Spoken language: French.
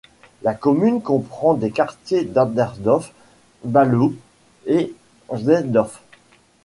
La commune comprend les quartiers d'Abbendorf, Bälow et Gnevsdorf.